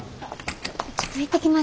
ちょっと行ってきます。